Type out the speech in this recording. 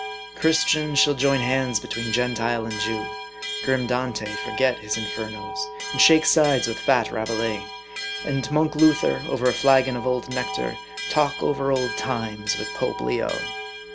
Christian shall join hands between Gentile and Jew ; grim Dante forget his Infernos, and shake sides with fat Rabelais ; and monk Luther, over a flagon of old nectar, talk over old times with Pope Leo.